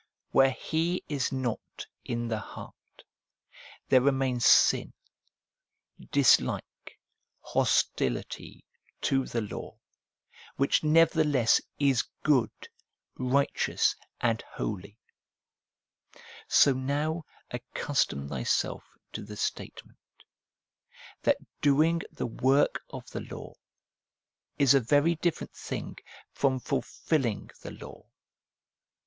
Where He is not in the heart, there remains sin, dislike, hostility to the law, which nevertheless is good, righteous, and holy. So now accustom thyself to the statement, that doing the work of the law is a very different thing from fulfilling the law.